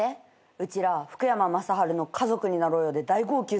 うちら福山雅治の『家族になろうよ』で大号泣するから。